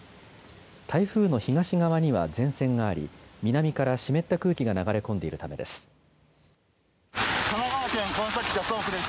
台風の東側には前線があり、南から湿った空気が流れ込んでいるためです。